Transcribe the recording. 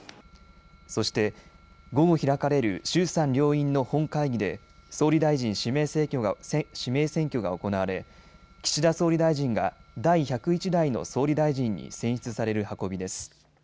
そして、午後開かれる衆参両院の本会議で総理大臣指名選挙が行われ、岸田総理大臣が第１０１代の総理大臣に選出される運びです。